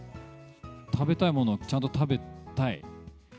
食べたいものはちゃんと食べたい。